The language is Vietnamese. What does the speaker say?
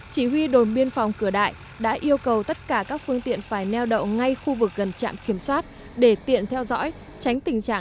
chỉ huy đồn biên phòng cửa đại đã yêu cầu tất cả các phương tiện phải neo đậu ngay khu vực gần trạm kiểm soát